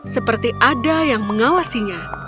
seperti ada yang mengawasinya